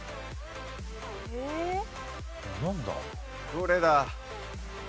どれだ？